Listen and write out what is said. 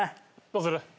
どうする？